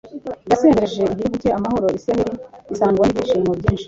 yasendereje igihugu cye amahoro israheli isagwa n'ibyishimo byinshi